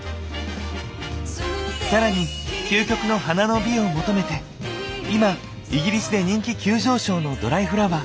更に究極の花の美を求めて今イギリスで人気急上昇のドライフラワー。